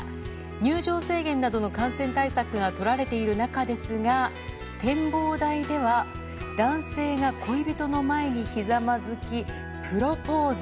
入場制限などの感染対策がとられている中ですが展望台では、男性が恋人の前にひざまずきプロポーズ。